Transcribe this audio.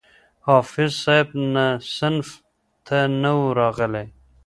حافظ صاحب نه صنف ته نه وو راغلى.